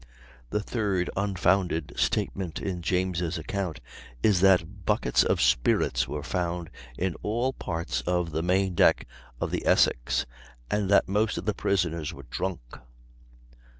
The third unfounded statement in James' account is that buckets of spirits were found in all parts of the main deck of the Essex, and that most of the prisoners were drunk.